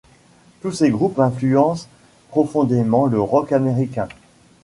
Tous ces groupes influencent profondément le rock américain.